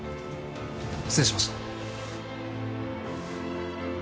失礼しました。